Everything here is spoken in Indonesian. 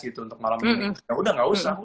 gitu untuk malam ini ya udah gak usah